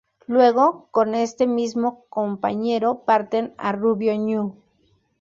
Luego con este mismo compañero parten a Rubio Ñu.